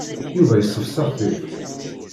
Yuba yessefsex-it.